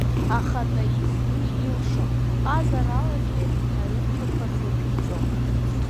Аха Таиф уи илшон, ҟазаралагьы аҩымҭақәа рзаԥиҵон…